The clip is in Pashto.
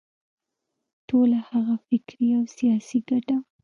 ټوله هغه فکري او سیاسي ګټه.